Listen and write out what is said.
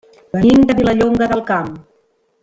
Venim de Vilallonga del Camp.